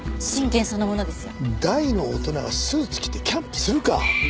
大の大人がスーツ着てキャンプするか？